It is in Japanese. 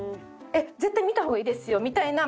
「えっ？絶対見た方がいいですよ」みたいな